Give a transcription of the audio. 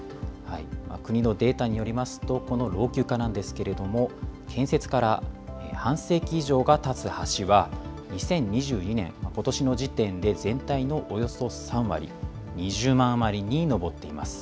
国のデータによりますと、この老朽化なんですけれども、建設から半世紀以上がたつ橋は、２０２２年、ことしの時点で、全体のおよそ３割、２０万余りに上っています。